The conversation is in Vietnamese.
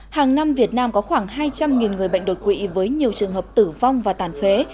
hàng năm việt nam có khoảng hai trăm linh người bệnh đột quỵ với nhiều trường hợp tử vong và tàn phế